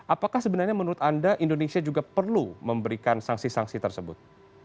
apakah sebenarnya menurut anda indonesia juga perlu memberikan sanksi sanksi tersebut